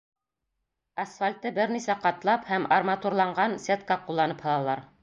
Асфальтты бер нисә ҡатлап һәм арматурланған сетка ҡулланып һалалар.